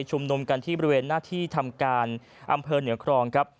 ชุมนุมกันที่บริเวณหน้าที่ทำการอำเภอเหนือครองครับ